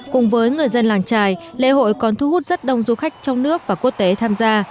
cùng với người dân làng trài lễ hội còn thu hút rất đông du khách trong nước và quốc tế tham gia